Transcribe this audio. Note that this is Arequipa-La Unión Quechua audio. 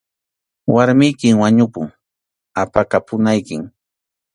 Warmiykim wañupun, apakapunaykim.